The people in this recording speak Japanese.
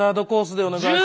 お願いします。